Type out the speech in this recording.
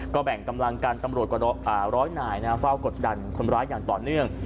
ก็แบ่งกำลังกันตำรวจกว่าร้อยนายเฝ้ากดดันคนร้ายอย่างต่อเนื่อง